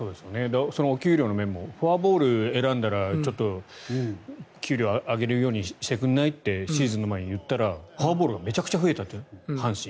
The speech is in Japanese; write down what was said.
そのお給料の面もフォアボールを選んだら給料上げるようにしてくれない？とシーズンの前に言ったらフォアボールがめちゃくちゃ増えたって、阪神。